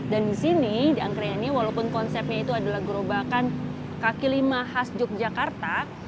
dan di sini di angkringannya walaupun konsepnya itu adalah gerobakan kekilima khas yogyakarta